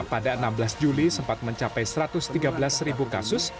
pada enam belas juli sempat mencapai satu ratus tiga belas kasus